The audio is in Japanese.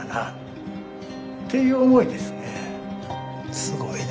すごいね。